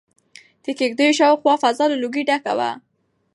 د کيږديو شاوخوا فضا له لوګي ډکه وه.